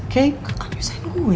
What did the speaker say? kayak gak akan nyusahin gue